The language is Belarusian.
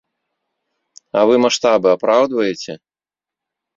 А вы маштабы апраўдваеце?